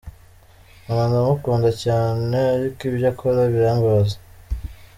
Mama ndamukunda cyane ariko ibyo akora birambaza.